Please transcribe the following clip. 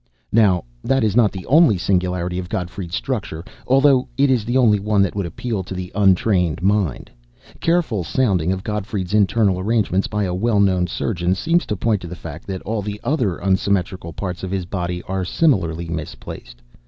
Now, that is not the only singularity of Gottfried's structure, although it is the only one that would appeal to the untrained mind. Careful sounding of Gottfried's internal arrangements by a well known surgeon seems to point to the fact that all the other unsymmetrical parts of his body are similarly misplaced.